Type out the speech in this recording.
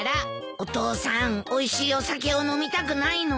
お父さんおいしいお酒を飲みたくないの？